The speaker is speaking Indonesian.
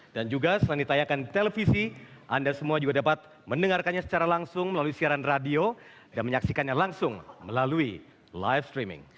dan juga selain ditayakan di televisi anda semua juga dapat mendengarkannya secara langsung melalui siaran radio dan menyaksikannya langsung melalui live streaming